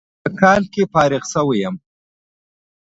په کال کې فارغ شوى يم.